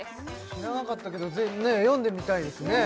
知らなかったけど読んでみたいですね